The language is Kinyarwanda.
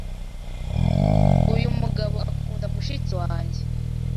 Uyu mugabo akunda mushiki wanjye.